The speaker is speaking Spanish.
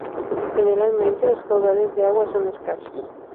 Generalmente los caudales de agua son escasos.